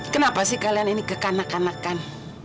kenapa sih kalian ini kekanak kanakkan